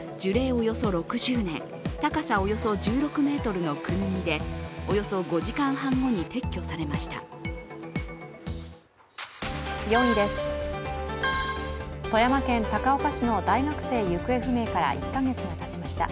およそ６０年、高さおよそ１６ｍのくぬぎでおよそ５時間半後に撤去されました４位です、富山県高岡市の大学生行方不明から１か月がたちました。